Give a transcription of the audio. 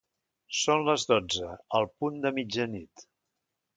Són les dotze, el punt de mitjanit.